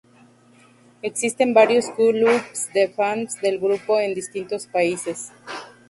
Existen varios clubs de fans del grupo en distintos países.